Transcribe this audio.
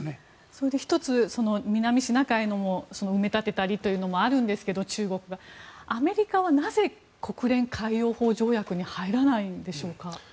それで１つ南シナ海のも中国が埋め立てたりというのもあるんですがアメリカはなぜ国連海洋法条約に入らないのでしょうか。